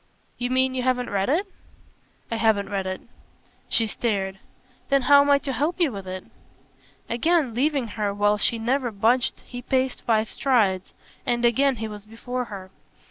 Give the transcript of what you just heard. "You mean you haven't read it?" "I haven't read it." She stared. "Then how am I to help you with it?" Again leaving her while she never budged he paced five strides, and again he was before her.